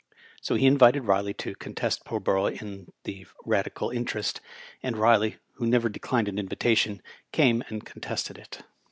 So he invited Riley to contest Pullborough in the Radi cal interest, and Riley, who never declined an invitation, came and contested it.